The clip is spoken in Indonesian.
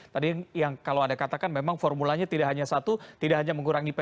tadi yang kalau anda katakan memang formulanya tidak hanya satu tidak hanya mengurangi pp